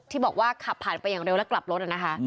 ที่บอกว่าขับผ่านไปอย่างเร็วแล้วกลับรถนะคะ